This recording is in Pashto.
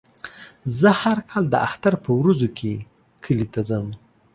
زه هر کال د اختر په ورځو کې کلي ته ځم.